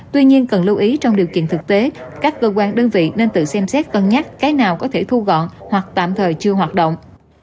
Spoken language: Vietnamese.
tuy nhiên cần lưu ý trong điều kiện thực tế các cơ quan đơn vị nên tự xem xét cân nhắc cái nào có thể thu gọn hoặc tạm thời chưa hoạt động